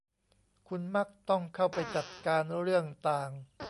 คุณมักต้องเข้าไปจัดการเรื่องต่าง